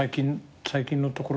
最近のところでは？